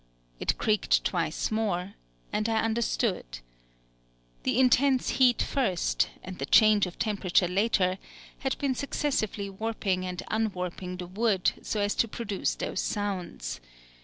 It creaked twice more, and I understood. The intense heat first, and the change of temperature later, had been successively warping and unwarping the wood so as to produce those sounds.